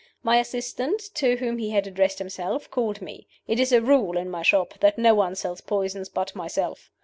My assistant, to whom he had addressed himself, called me. It is a rule in my shop that no one sells poisons but myself.